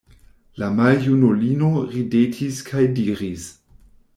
La maljunulino ridetis kaj diris: